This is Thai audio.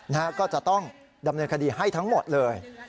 นะฮะก็จะต้องดำเนินคดีให้ทั้งหมดเลย